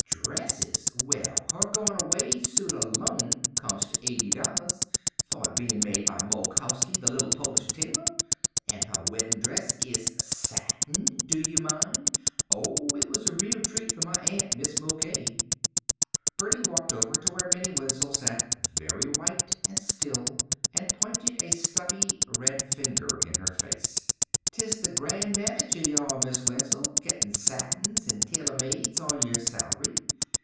Dresses! Well, her going away suit alone comes to eighty dollars, for it's bein' made by Molkowsky, the little Polish tailor. An' her weddin' dress is satin, do yuh mind! Oh, it was a real treat for my aunt Mis' Mulcahy." Birdie walked over to where Minnie Wenzel sat, very white and still, and pointed a stubby red finger in her face. "'Tis the grand manager ye are, Miss Wenzel, gettin' satins an' tailor mades on yer salary.